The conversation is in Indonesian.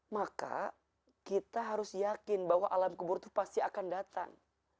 maka kita harus yakin bahwa alam kubur itu pasti akan datang